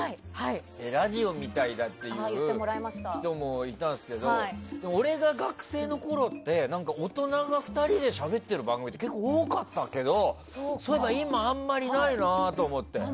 ラジオみたいだっていう人もいたんですけど俺が学生のころって大人が２人でしゃべっている番組って結構多かったけどそういえば今あんまりないなと思って。